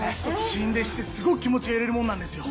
新弟子ってすごく気持ちが揺れるものなんですよ。